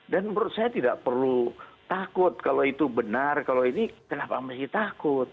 dan menurut saya tidak perlu takut kalau itu benar kalau ini kenapa masih takut